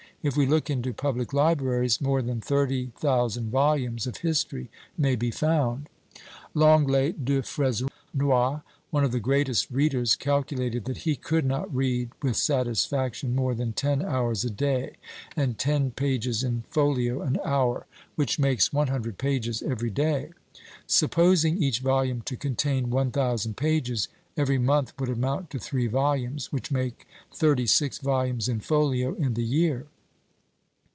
If we look into public libraries, more than thirty thousand volumes of history may be found. Lenglet du Fresnoy, one of the greatest readers, calculated that he could not read, with satisfaction, more than ten hours a day, and ten pages in folio an hour; which makes one hundred pages every day. Supposing each volume to contain one thousand pages, every month would amount to three volumes, which make thirty six volumes in folio in the year.